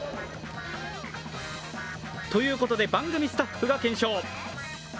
ということで、番組スタッフが検証。